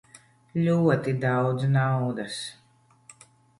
Ļoti daudz naudas.